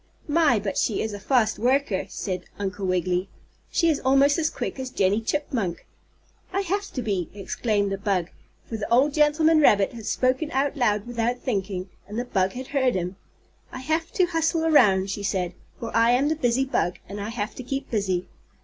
"My, but she is a fast worker," said Uncle Wiggily. "She is almost as quick as Jennie Chipmunk." "I have to be!" exclaimed the bug, for the old gentleman rabbit had spoken out loud without thinking, and the bug had heard him. "I have to hustle around," she said, "for I am the busy bug, and I have to keep busy.